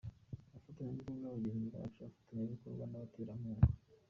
Abafatanyabikorwa – Bagenzi bacu, Abafatanyabikorwa n’abaterankunga.